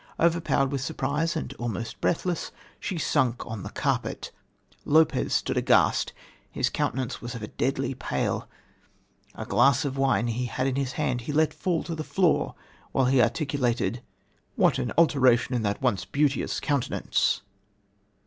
Overpowered with surprise and almost breathless, she sunk on the carpet. Lopez stood aghast, his countenance was of a deadly pale, a glass of wine he had in his hand he let fall to the floor, while he articulated: "What an alteration in that once beauteous countenance!"